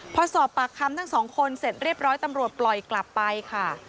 พอสอบปากคำทั้งสองคนเสร็จเรียบร้อยตำรวจปล่อยกลับไปค่ะ